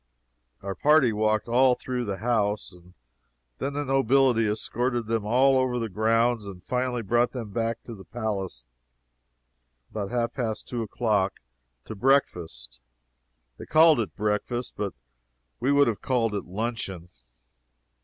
Our party walked all through the house, and then the nobility escorted them all over the grounds, and finally brought them back to the palace about half past two o'clock to breakfast. They called it breakfast, but we would have called it luncheon.